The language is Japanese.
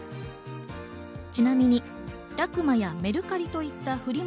ちなみに、ラクマやメルカリといったフリマ